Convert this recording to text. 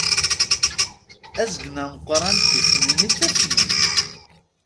Azgen ameqqran d tismin i ttasment.